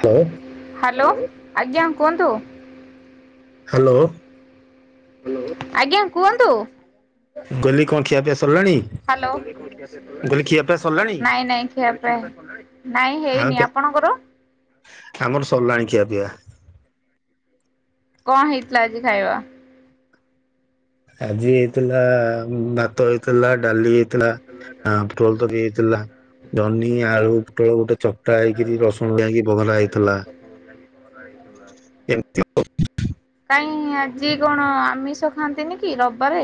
Hello hello ଆଜ୍ଞା କୁହନ୍ତୁ? Hello. ଆଜ୍ଞା କୁହନ୍ତୁ। ମୁଁ କହିଲି କଣ ଖିଆ ପିଆ ସରିଲାଣି? ହାଲୋ ଗଲି ଖିଆପିଆ ସରିଲାଣି ନାଇଁ ନାଇଁ ଖିଆ ପିଆ ହେଇନି ନାଇଁ ଆଉ ହେଇନି। କେ ଆପଣଙ୍କର? [inaudible] ଆମର ସରିଲାଣି ଖିଆ ପିଆ। କଣ ହେଇଥିଲା ଆଜି ଖାଇବା? ଆଜି ହେଇଥିଲା ଭାତ ହେଇଥିଲା। ଡାଲି ହେଇଥିଲା ଫୁଲ କୋବି ହେଇଥିଲା। ଜହ୍ନି, ଆଳୁ, ପୋଟଳ ଗୋଟେ ଚକଟା ହେଇକିରି ରସୁଣ ଦିଆ ବହରା ହେଇଥିଲା। [inaudible] କେମିତି? କାଇଁ ଆଜି କଣ ଆମିଷ ଖାଆନ୍ତିନିକି ରବିବାରେ?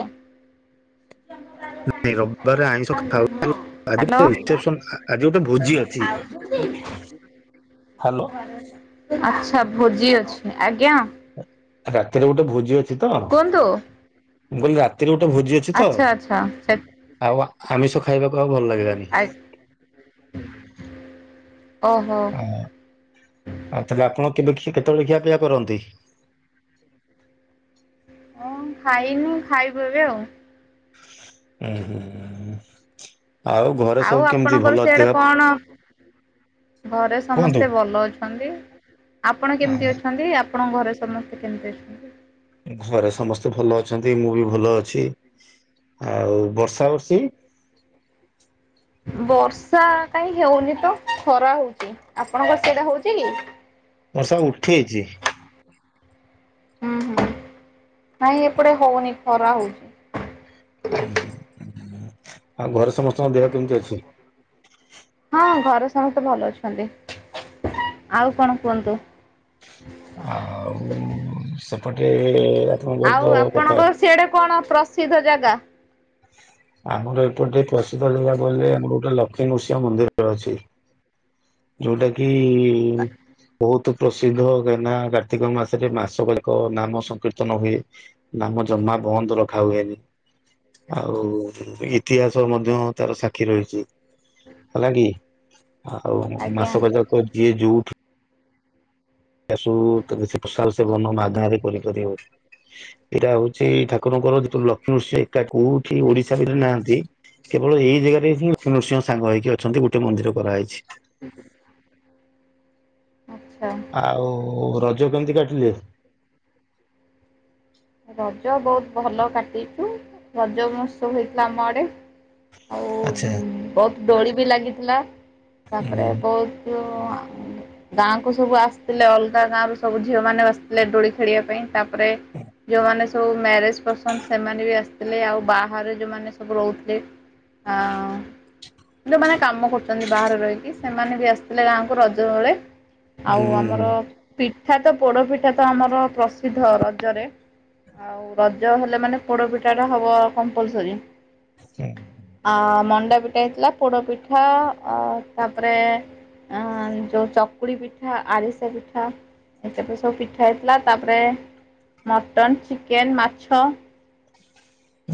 [unintelligible] ଘରେ ଆଇଁଷ ଖାଉନାହାନ୍ତି ଆଜି ହ୍ୟାଲୋ ରିସେପ୍ସନ ଆଜି ଗୋଟେ ଭୋଜି ଅଛି। ହ୍ୟାଲୋ ଆଚ୍ଛା ଭୋଜି ଅଛି ଆଜ୍ଞା। ରାତିରେ ଗୋଟେ ଭୋଜି ଅଛି। ତ କୁହନ୍ତୁ। ମୁଁ କହିଲି ରାତିରେ ଗୋଟେ ଭୋଜି ଅଛି ତ ଆଚ୍ଛା ଆଚ୍ଛା ସେ ଆଉ ଆମିଷ ଖାଇବାକୁ ଆଉ ଭଲ ଲାଗିଲାନି। ଆ ଓହୋ। ଆଉ ତାହେଲେ ଆପଣ କେବେ କେତେବେଳେ ଖିଆପିଆ କରନ୍ତି? ହଁ ଖାଇନି ଖାଇବୁ ଏବେ ଆଉ। ହୁଁ ହୁଁ ଆଉ ଆପଣଙ୍କର ସିଆଡ଼େ କଣ? ଘରେ କୁହନ୍ତୁ? ସମସ୍ତେ ଭଲ ଅଛନ୍ତି। ଆପଣ କେମିତି ଅଛନ୍ତି? ଆ ଆପଣଙ୍କ ଘରେ ସମସ୍ତେ କେମିତି ଅଛନ୍ତି? ଘରେ ସମସ୍ତେ ଭଲ ଅଛନ୍ତି ମୁଁ ବି ଭଲ ଅଛି। ଆଉ ବର୍ଷା ବର୍ଷି? [unintelligible] ବର୍ଷା କାହିଁ ହେଉନି ତ ଖରା ହଉଛି ଆପଣଙ୍କର ସେଇଟା ହଉଛି କି? ବର୍ଷା ଉଠେଇଛି। ହୁଁ ହୁଁ ନାଇ ଏପଟେ ହଉନି ଖରା ହଉଛି। ହୁଁ ଆଉ ଘରେ ସମସ୍ତଙ୍କ ଦେହ କେମିତି ଅଛି? ହଁ ଘରେ ସମସ୍ତେ ଭଲ ଅଛନ୍ତି। ଆଉ କଣ କୁହନ୍ତୁ? ଆଉ ସେପଟେ ଆପଣଙ୍କର ତ ଆଉ କଥା ଆପଣଙ୍କ ସିଆଡେ କଣ ପ୍ରସିଦ୍ଧ ଜାଗା? ଆମର ଏପଟେ ପ୍ରସିଦ୍ଧ ଜାଗା କହିଲେ ଆମର ଗୋଟେ ଲକ୍ଷ ନୃସିଙ୍ଗ ମନ୍ଦିର ଅଛି ଯୋଉଟା କି ବହୁତ ପ୍ରସିଦ୍ଧ ଗାନା କାର୍ତ୍ତିକ ମାସରେ ମାସକ ଯାକ ନାମ ସଂକୀର୍ତ୍ତନ ହୁଏ। ନାମ ଜମା ବନ୍ଦ ରଖା ହୁଏନି। ଆଉ ଇତିହାସ ମଧ୍ୟ ତାର ସାକ୍ଷୀ ରହିଛି। ହେଲାକିି ଆଉ ଆଜ୍ଞା। ମାସକ ଜାକ ଯିଏ ଯୋଉଠି ଏସବୁ ପ୍ରସାଲ ସେବନ ମାଧାରେ କରିପାରିବ ଏଇଟା ହଉଛି ଠାକୁ ଠାକୁରଙ୍କର ଯେତେବେଳେ ଲକ୍ଷ ଋଷି ଏକା କୋଉଠି ଓଡିଶା ଭିତରେ ନାହାନ୍ତି। କେବଳ ଏଇ ଜାଗାରେ ହିଁ ନୃସିଂହ ସାଙ୍ଗ ହେଇକି ଅଛନ୍ତି ଗୋଟେ ମନ୍ଦିର କରାହେଇଛି। [unintelligible] ଆଚ୍ଛା ଆଉ ରଜ କେମିତି କାଟିଲେ? ରଜ ବହୁତ ଭଲ କାଟିଚୁ। ରଜ ମହାତ୍ସବ ହୋଇଥିଲା ଆମ ଆଡ଼େ। ଆଉ ଆଚ୍ଛା ବହୁତ ଦୋଳି ବି ଲାଗିଥିଲା ହୁଁ ତାପରେ ବହୁତ ଗାଁ କୁ ସବୁ ଆସିଥିଲେ ଅଲଗା ଗାଁରୁ ସବୁ ଝିଅ ମାନେ ଆସିଥିଲେ ଡୋଳି ଖେଳିବା ପାଇଁ। ତାପରେ ଯୋଉମାନେ ସବୁ ମ୍ୟାରେଜ୍ ପର୍ସନ ସେମାନେ ବି ଆସିଥିଲେ, ଆଉ ବାହାରେ ଯୋଉମାନେ ସବୁ ରହୁଥିଲେ ହ ଯୋଉମାନେ କାମ କରୁଛନ୍ତି ବାହାରେ ରହିକି ସେମାନେ ବି ଆସିଥିଲେ ଗାଁକୁ ରଜ ବେଳେ। ଆଉ ଆମର ହୁଁ। ପିଠା ତ ପୋଡ଼ପିଠା ତ ଆମର ପ୍ରସିଦ୍ଧ ରଜରେ। ଆଉ ରଜ ହେଲେ ମାନେ ପୋଡ଼ପିଠା ଟା ହବ ଆ କମ୍ପଲସରି। ଆ ମଣ୍ଡାପି ଠା ହେଇଥିଲା, ପୋଡ଼ ପିଠା, ତାପରେ ଆ ଯୋଉ ଚକୁଳି ପିଠା, ଆରିସା ପିଠା ଏତେକ ସବୁ ପିଠା ହେଇଥିଲା। ତାପରେ ମଟନ, ଚିକେନ, ମାଛ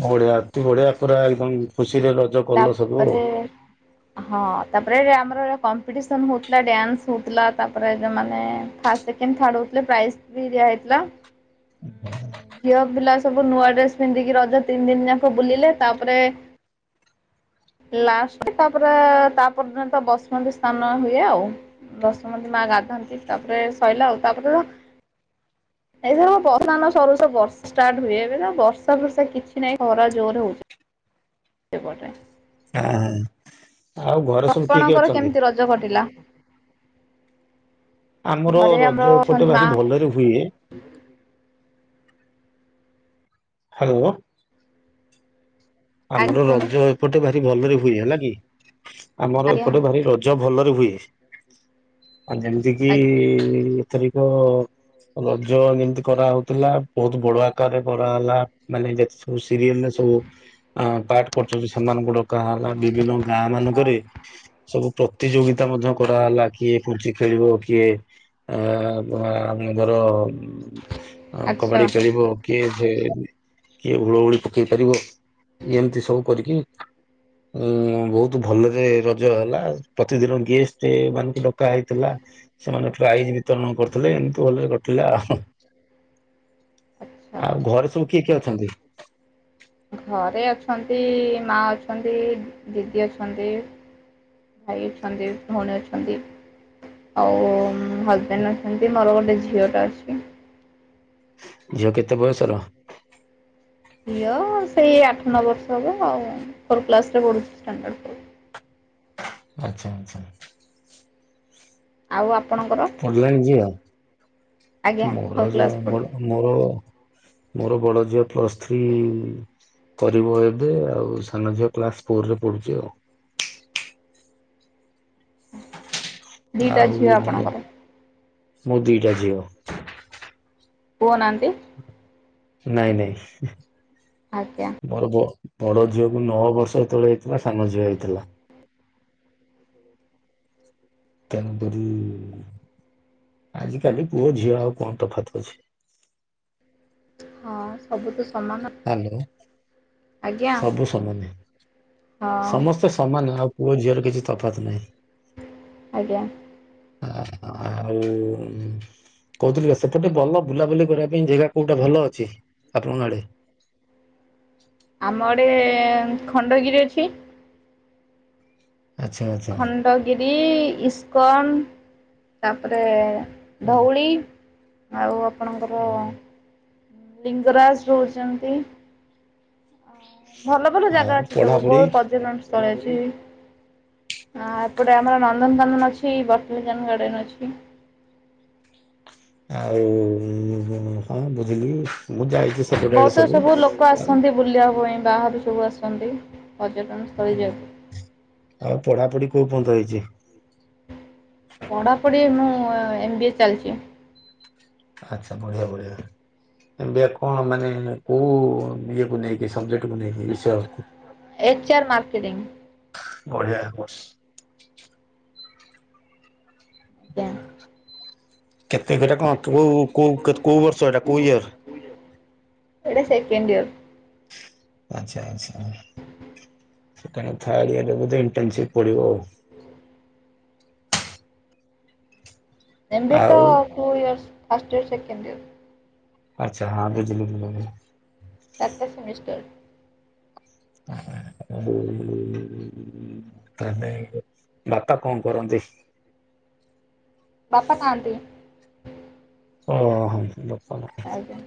ବଢ଼ିଆ ଅତି ବଢ଼ିଆ ପୁରା ଏକଦମ ଖୁସିରେ ରଜ କଲ ସବୁ ଆଉ। ତାପରେ ହଁ ତାପରେ ଆମର କମ୍ପିଟିସନ ହଉଥିଲା, ଡ୍ୟାନ୍ସ ହଉଥିଲା, ତାପରେ ଯୋଉମାନେ ଫାଷ୍ଟ ସେକେଣ୍ଡ ଥାର୍ଡ ହଉଥିଲେ ପ୍ରାଇଜ ବି ଦିଆ ହେଇଥିଲା। ଝିଅ ପିଲା ସବୁ ନୂଆ ଡ୍ରେସ ପିନ୍ଧିକି ରଜ ତିନି ଦିନ ଯାକ ବୁଲିଲେ। ତାପରେ ଲାଷ୍ଟ ତାପରେ ତାପର ଦିନ ତ ବସୁମତୀ ସ୍ନାନ ହୁଏ ଆଉ। ବସୁମତି ମାଆ ଗାଧାନ୍ତି ତାପରେ ସଇଲା ଆଉ। ତାପର ଦିନ ଏଥର ବସୁ ସ୍ନାନ ସରୁ ସରୁ ବର୍ଷା ଷ୍ଟାର୍ଟ ହୁଏ, ଏବେ ତ ବର୍ଷା ଫର୍ଷା କିଛି ନାହିଁ ଖରା ଜୋର ହଉଛି। ସେପଟେ। ଆଁ ହଁ ଆଉ ଘରେ ସବୁ କିଏ କିଏ ଆପଣଙ୍କର ଅଛନ୍ତି? କେମିତି ରଜ କଟିଲା? ଆମର ଘରେ ଆମର ରଜ ଏପଟେ ଅଛନ୍ତି ମା ଭାରି ଭଲରେ ହୁଏ ହାଲୋ। ଆଜ୍ଞା ଆମର କୁହନ୍ତୁ ରଜ ଏପଟେ ଭାରି ଭଲରେ ହୁଏ ହେଲା କି? ଆମର ଆଜ୍ଞା ଏପଟେ ଭାରି ରଜ ଭଲରେ ହୁଏ। ଆଉ ଯେମତି କିି ଏଥରିକ ରଜ ଏମିତି କରାହଉଥିଲା, ବହୁତ ବଳୁଆ କରେ ପରା ହେଲା ମାନେ ଯେତେ ସବୁ ସିରିଏଲ୍ ରେ ସବୁ ଅ ପାଠ ପଢୁଛନ୍ତି ସେମାନଙ୍କୁ ଡକା ହେଲା, ବିଭିନ୍ନ ଗାଁ ମାନଙ୍କରେ ସବୁ ପ୍ରତିଯୋଗିତା ମଧ୍ୟ କରା ହେଲା। କିଏ ପୁଞ୍ଚି ଖେଳିବ, କିଏ ଆ ବା ଆମ ଧର ଆଚ୍ଛା। କବାଡି ଖେଳିବ କିଏ କିଏ ହୁଳହୁଳି ପକେଇ ପାରିବ, ଏମିତି ସବୁ କରିକି ଉଁ ବହୁତ ଭଲରେ ରଜ ହେଲା। ପ୍ରତିଦିନ ଗେଷ୍ଟେ ମାନଙ୍କୁ ଡକା ପକା ହେଇଥିଲା, ସେମାନେ ପ୍ରାଇଜ ବିତରଣ କରୁଥିଲେ, ଏମତି ଭଲରେ କଟିଲା ଆଉ ହୁଁ। ଆଚ୍ଛା ଆଉ ଘରେ ସବୁ କିଏ କିଏ ଅଛନ୍ତି? ଘରେ ଅଛନ୍ତି, ମା ଅଛନ୍ତି, ଦିଦି ଅଛନ୍ତି ଭାଇ ଅଛନ୍ତି, ଭଉଣୀ ଅଛନ୍ତି ଆଉ ହଜବ୍ୟାଣ୍ଡ ଅଛନ୍ତି, ମୋର ଗୋଟେ ଝିଅ ଟା ଅଛି। ଝିଅ କେତେ ବୟସର? ଝିଅ ସେଇ ଆଠ ନଅ ବର୍ଷ ହବ ଆଉ ଫୋର୍ କ୍ଲାସ୍ ରେ ପଢୁଛି ଷ୍ଟାଣ୍ଡାର୍ଡ ଫୋର୍। ହ ଆଚ୍ଛା ଆଚ୍ଛା। ଆଉ ଆପଣଙ୍କର? ପଢିଲାଣି ଝିଅ? ଆଜ୍ଞା ମୋର ଫୋର୍ ଯୋଉ କ୍ଲାସ୍ ପଢ଼ୁଛି। ମୋ-ମୋର ମୋର ବଡ ଝିଅ ପ୍ଲସ୍ ଥ୍ରୀ କରିବ ଏବେ, ଆଉ ସାନ ଝିଅ କ୍ଲାସ ଫୋରରେ ପଢୁଛି ଆଉ। ଦିଟା ଆଉ ଝିଅ ଆପଣଙ୍କର? ମୋ ଦିଟା ଝିଅ। ପୁଅ ନାହାନ୍ତି? ନାଇଁ ନାଇଁ ଆଜ୍ଞା ଗର୍ବ। ବଡ ଝିଅକୁ ନଅ ବର୍ଷ ଯେତେବେଳେ ହେଇଥିଲା ସାନ ଝିଅ ହେଇଥିଲା। ତେଣୁ କରି ଆଜି କାଲି ପୁଅ ଝିଅ ଆଉ କଣ ତଫାତ ଅଛି? ହଁ ସବୁ ତ ସମାନ ହାଲୋ ଆଜ୍ଞା ସବୁ ସମାନ ହଁ ସମସ୍ତେ ସମାନ ଆଉ ପୁଅ ଝିଅର କିଛି ତଫାତ୍ ନାହିଁ। ଆଜ୍ଞା। ହ ଆଉ କହୁଥିଲ ସେପଟେ ଭଲ ବୁଲାବୁଲି କରିବା ପାଇଁ ଜାଗା କୋଉଟା ଭଲ ଅଛି ଆପଣଙ୍କ ଆଡେ? ଆମ ଆଡେ ଖଣ୍ଡଗିରି ଅଛି। ଆଚ୍ଛା ଆଚ୍ଛା ଖଣ୍ଡଗିରି ଇସ୍କନ ତାପରେ ହଁ, ଧଉଳି ଆଉ ଆପଣଙ୍କର ହୁଁ ଲିଙ୍ଗରାଜ ରହୁଛନ୍ତି ଭଲ ଭଲ ଆଉ ଜାଗା ଅଛି ସବୁ ପଢାପଢି ବହୁତ ପର୍ଯ୍ୟଟନ ସ୍ଥଳୀ ଅଛି। ହଁ ଏପଡେ ଆମର ନନ୍ଦନକନ୍ଦନ ଅଛି। ସେ ବତାନିକଲ ଗାର୍ଡେନ ଅଛି। ଆଉ ଉମ୍ ହଁ ବୁଝିଲି ମୁଁ ଯାଇଛି ସେପଟେ ଆଡେ ବହୁତ ସବୁ ଲୋକ ଆଉ ଆସନ୍ତି ବୁଲିବା ପାଇଁ ବାହାରୁ ସବୁ ଆସନ୍ତି। ପର୍ଯ୍ୟଟନ ସ୍ଥଳୀ ଯେହେତୁ ଆଉ ପଢାପଢି କୋଉ ପନ୍ତ ହେଇଛି? ପଢ଼ାପଢ଼ି ମୁଁ ଏମ ବି ଏ ଚାଲିଛି। ଆଚ୍ଛା ବଢିଆ ବଢିଆ। ଏମ ବି ଏ କଣ ମାନେ କୋଉ ବିଏ କୁ ନେଇକି ସବଜେକ୍ଟ? କୁ ନେଇକି ବିଷୟବସ୍ତୁ ଏଚ ଆର ମାର୍କେଟିଂ ବଢିଆ କୋର୍ସ। ଆଜ୍ଞା [inaudible] କେତେ ହେଟା କଣ କୋଉ କୋଉ କୋଉ ବର୍ଷ ଏଟା କୋଉ ଇୟର? ଏଇଟା ସେକେଣ୍ଡ ଇୟର। ଆଚ୍ଛା ଆଚ୍ଛା। ସେକେଣ୍ଡ ଥାର୍ଡ ଇୟରରେ ବୋଧେ ଇଣ୍ଟନସିପ ପଡିବ ଆଉ। ଏମ ବି ଏ ତ ଆଉ two years first year second year. ଆଚ୍ଛା ହଁ ବୁଝିଲି ବୁଝିଲି। ଚାରିଟା ସେମିଷ୍ଟାର୍ ହ [unintelligible] ଉମ୍ ତାହାଲେ ବାପା କଣ କରନ୍ତି? ବାପା ନାହାନ୍ତି। ଓ ହମ୍ ଆଜ୍ଞା।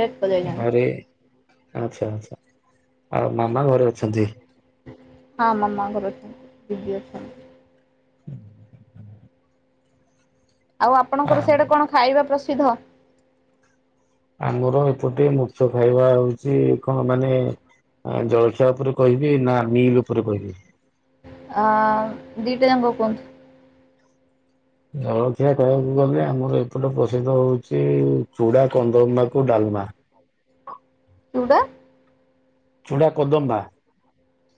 ଡେଟ୍ ପଳେଇଲା। ଘରେ ଆଚ୍ଛା ଆଚ୍ଛା ଆଉ ମାମା ଘରେ ଅଛନ୍ତି? ହଁ ମାମା ଘର ଅଛନ୍ତି ବିିଜି ଅଛନ୍ତି। [unintelligible] ଆଉ ଆପଣଙ୍କର ଆଉ ସେଆଡ଼େ କଣ ଖାଇବା ପ୍ରସିଦ୍ଧ? ଆମର ଏପଟେ ମୁଖ୍ୟ ଖାଇବା ହଉଛି କଣ ମାନେ ଜଳଖିଆ ଉପରେ କହିବି ନା ମିଲ୍ ଉପରେ କହିବି। ଆ ଦିଟା ଜାଙ୍କ କୁହନ୍ତୁ। ଜଳଖିଆ କହିବାକୁ ଗଲେ ଆମର ଏପଟେ ପ୍ରସିଦ୍ଧ ହଉଛି ଚୁଡ଼ା କଦମ୍ବା କୁ ଡାଲମା। ଚୁଡ଼ା? ଚୁଡ଼ା କଦମ୍ବା।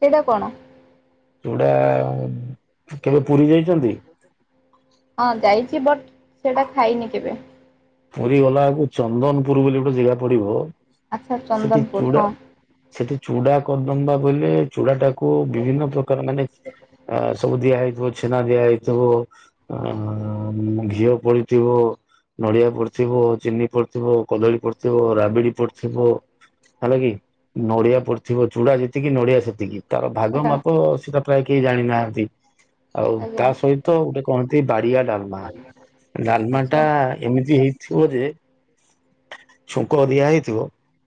ସେଇଟା କଣ? ଚୁଡ଼ା ପ ହଁ ଯାଇଛି ବଟ୍, ସେଟା ଖାଇନି କେବେ। ପୁରୀ ଗଲାବେଳକୁ ଚନ୍ଦନପୁର ବୋଲି ଗୋଟେ ଜେଗା ପଡିବ। ଆଚ୍ଛା ସେଠି ଚନ୍ଦନପୁର ଚୁଡ଼ା, ହଁ ସେଠି ଚୁଡ଼ା କଦମ୍ବା କହିଲେ ଚୁଡ଼ାଟାକୁ ବିଭିନ୍ନ ପ୍ରକାର ମାନେ ସବୁ ଦିଆହେଇ ପୁର, ଛେନା ଦିଆ ହେଇଥିବ ଆ ଆ ଘିଅ ପଡିଥିବ ନଡିଆ ପଡ଼ିଥିବ, ଚିନି ପଡ଼ିଥିବ, କଦଳୀ ପଡିଥିବ, ରାବିଡ଼ି ପଡ଼ିଥିବ ହେଲାକି, ନଡ଼ିଆ ପଡ଼ିଥିବ, ଚୁଡ଼ା ଯେତିକି ନଡିଆ ସେତିକି। ତାର ଭାଗ ସେଟା ମାପ ସେଟା ପ୍ରାୟ କେହି ଜାଣିନାହାନ୍ତି, ଆଉ ଆଜ୍ଞା। ତା ସହିତ ଗୋଟେ କହନ୍ତି ବାଡିଆ ଡାଲମା। ଡାଲମା ଟା ଆଚ୍ଛା ଏମିତି ବା [inaudible] ଛୁଙ୍କ ଦିଆହେଇଥିବ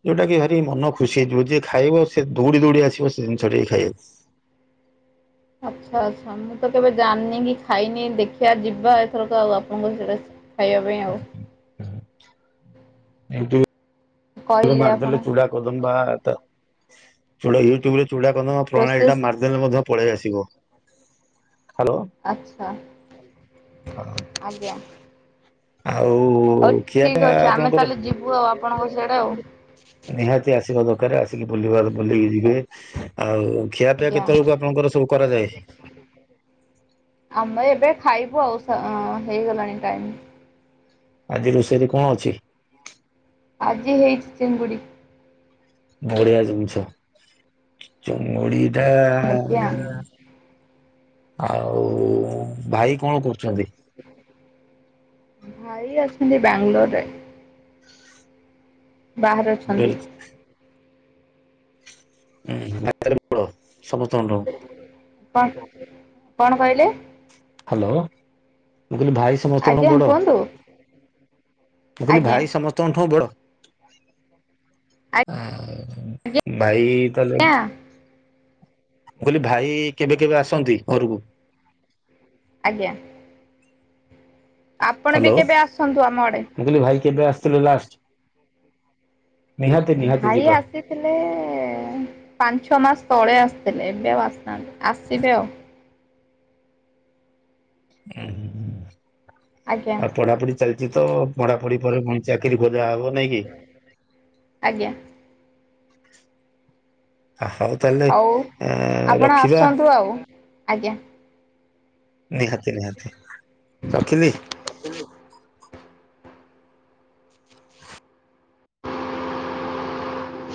ଯୋଉଟା କି ମନ ଖୁସି ହେଇଯିବ, ଯିଏ ଖାଇବ ସେ ଦୌଡ଼ି ଦୌଡ଼ି ଆସିବ, ସେ ଜିନିଷ ଟି ଖାଇବାକୁ। ଆଚ୍ଛା ଆଚ୍ଛା ମୁଁ ତ କେବେ ଜାଣିନି କି, ଖାଇନି, ଦେଖିଆ ଯିବା ଏଥରକ ଆଉ ଆପଣଙ୍କ ସେଆଡ଼େ ଖାଇବା ପାଇଁ ଆଉ। ୟୁଟ୍ୟୁବ [unintelligible] କହିଲେ ଆପଣ ମାରିଦେଲେ ଚୁଡ଼ା କଦମ୍ବା ଟା ଚୂଡ଼ା ୟୁଟ୍ୟୁବରେ, ଚୂଡ଼ାକନ ପ୍ରଣାଳୀଟା ପ୍ରୋସେସ୍ ମାରିଦେଲେ ମଧ୍ୟ ପଳେଇ ଆସିବ। ହ୍ୟାଲୋ ଆଛା, ଆଜ୍ଞା। ଆଉ ହଉ ଖିଆପ ଠିକ୍ ଅଛି ଆମେ ଆପଣଙ୍କର, ତାହେଲେ ଯିବୁ ଆଉ ଆପଣଙ୍କ ସିଆଡ଼େ ଆଉ ନିହାତି ଆସିବା ଦ ରେ ଆସିକି ବୁଲିବା ବୁଲିକି ଯିବେ, ଆଉ ଖିଆପିଆ ଆଜ୍ଞା, କେତେବେଳକୁ ଆପଣଙ୍କର ସବୁ କରାଯାଏ? ଆମ ଏବେ ଖାଇବୁ ଆଉ ହେଇଗଲାଣି ଟାଇମ। ଆଜି ରୋଷେଇରେ କଣ ଅଛି? ଆଜି ହେଇଛି ଚିଙ୍ଗୁଡ଼ି। ବଢିଆ ଜିନିଷ, ଚିଙ୍ଗୁଡ଼ି ଟା, ଆଜ୍ଞା ଆଉ ଭାଇ କଣ କରୁଛନ୍ତି? ଭାଇ ଅଛନ୍ତି ବାଙ୍ଗାଲୋରରେ। ବାହାରେ ଅଛନ୍ତି। ବଡ ହଁ [unintelligible] ସମସ୍ତଙ୍କଠୁ। କଣ? କଣ କହିଲେ। ହାଲୋ। ମୁଁ କହିଲି, ଭାଇ ସମସ୍ତଙ୍କଠୁ ଆଜ୍ଞା ବଡ଼, କୁହନ୍ତୁ ମୁଁ କହିଲି ଆଜ୍ଞା ଭାଇ ସମସ୍ତଙ୍କଠୁ ବଡ଼। ଆଜ୍ଞା ଭାଇ। ତାହଲେ ମୁଁ କହିଲି -ଭାଇ କେବେ କେବେ ଆସନ୍ତି ଘରକୁ? ଆଜ୍ଞା। ଆପଣ ବି ହାଲୋ, କେବେ ଆସନ୍ତୁ ଆମ ଆଡ଼େ ମୁଁ କହିଲି ଭାଇ କେବେ ଆସିଥିଲ ଲାଷ୍ଟ? ନିହାତି ନିହାତି ଭାଇ ଆସିଥିଲେ ପାଞ୍ଚ ଛ ମାସ ତଳେ ଆସିଥିଲେ, ଏବେ ଆଉ ଆସିନାହାନ୍ତି, ଆସିବେ ଆଉ ଆଜ୍ଞା ଆଉ ପଢାପଢି ଚାଲିଛି ତ, ପଢାପଢି ପରେ ଚାକିରୀ ଖୋ ଯାହାହବ ନାଇ କି? ଆଜ୍ଞା ଆଉ ତାହେଲେ ଆଉ ଏ ଆପଣ ରଖିବା ଆସନ୍ତୁ ଆଉ, ଆଜ୍ଞା। ନିହାତି ନିହାତି ରଖିଲି।